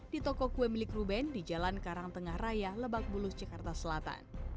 di toko kue milik ruben di jalan karang tengah raya lebakbulu jakarta selatan